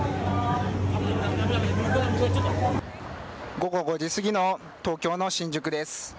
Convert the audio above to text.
午後５時すぎの東京の新宿です。